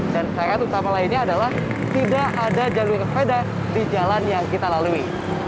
dan syarat utama lainnya adalah tidak ada jalur sepeda di jalan yang kita lalui